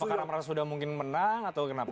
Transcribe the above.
apakah merasa sudah mungkin menang atau kenapa